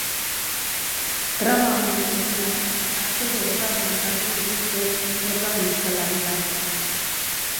Drama honen erdian aktore ezagunak jarri dituzte protagonista lanetan.